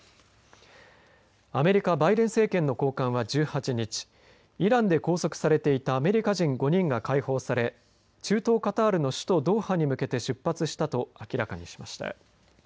アメリカ、バイデン政権の高官は１８日イランで拘束されていたアメリカ人５人が解放され中東カタールの首都ドーハに向けて出発したと明らかにしました。